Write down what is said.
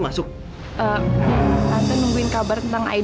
bondan tunggu apa lagi